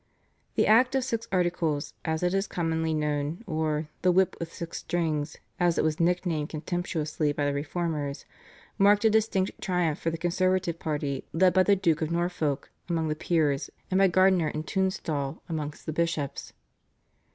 The Act of Six Articles, as it is commonly known, or "the whip with six strings," as it was nicknamed contemptuously by the Reformers, marked a distinct triumph for the conservative party, led by the Duke of Norfolk among the peers and by Gardiner and Tunstall amongst the bishops.